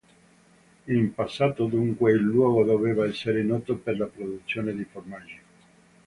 In passato, dunque, il luogo doveva essere noto per la produzione di formaggi.